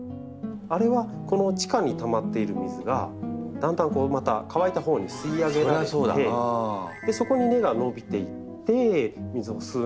あれはこの地下にたまっている水がだんだんまた乾いたほうに吸い上げられてそこに根が伸びていって水を吸うんで。